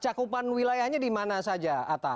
cakupan wilayahnya di mana saja atta